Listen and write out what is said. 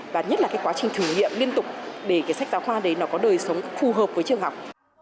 và nhất là quá trình thử nghiệm liên tục để sách giáo khoa đấy có đời sống phù hợp với trường học